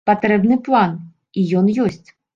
Патрэбны план, і ён ёсць.